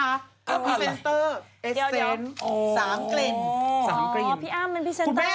เอ้าเอาอะไรเอ่อเดี๋ยวสามเกลิ่นสามเกลิ่นพี่อำก็เป็นพีเซนเตอร์